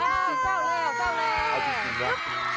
ช่ะช่ะช่ะเอ่อไปไปยาวไปเป้าแล้วเป้าแล้ว